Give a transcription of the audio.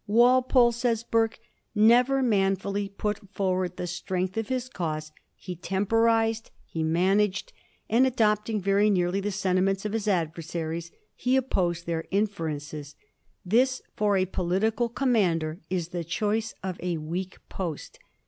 " Walpole,*' says Burke, "never manfully put forward the strength of his cause ; he temponzed ; he managed ; and, adopting very nearly the sentiments of his adversaries, he opposed their inferences. This, for a political commander, is the choice of a weak post.